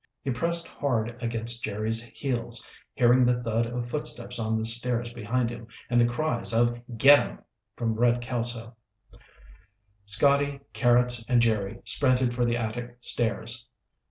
He pressed hard against Jerry's heels, hearing the thud of footsteps on the stairs behind him and the cries of "Get 'em" from Red Kelso. Scotty, Carrots, and Jerry sprinted for the attic stairs.